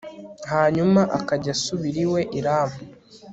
hanyuma akajya asubira iwe i rama